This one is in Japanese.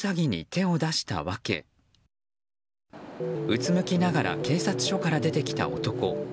うつむきながら警察署から出てきた男。